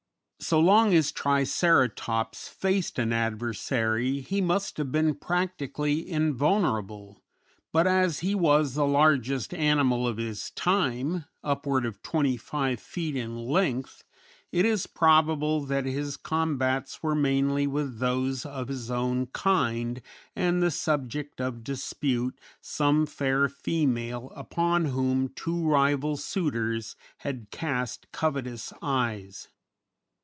So long as Triceratops faced an adversary he must have been practically invulnerable, but as he was the largest animal of his time, upward of twenty five feet in length, it is probable that his combats were mainly with those of his own kind and the subject of dispute some fair female upon whom two rival suitors had cast covetous eyes.